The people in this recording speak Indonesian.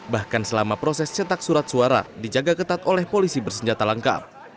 bahkan selama proses cetak surat suara dijaga ketat oleh polisi bersenjata lengkap